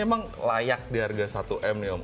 ini emang layak di harga satu miliar rupiah nih om